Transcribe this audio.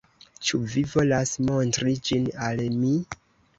Ĉu vi volas montri ĝin al mi?